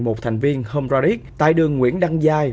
một thành viên home raric tại đường nguyễn đăng giai